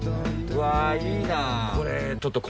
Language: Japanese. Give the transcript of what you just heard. うわいいな。